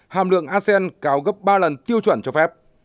hàm lượng asean cao gấp ba lần tiêu chuẩn cho phép